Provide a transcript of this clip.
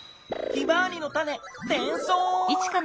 ヒマワリのタネてんそう。